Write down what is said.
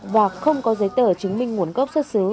và không có giấy tờ chứng minh nguồn gốc xuất xứ